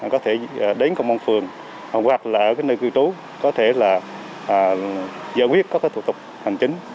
có thể đến công an phường hoặc là ở nơi cư trú có thể là giải quyết các thủ tục hành chính